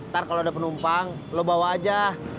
ntar kalau ada penumpang lo bawa aja